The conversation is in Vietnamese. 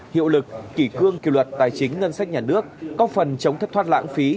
hiệu lực kỷ cương kỷ luật tài chính ngân sách nhà nước có phần chống thất thoát lãng phí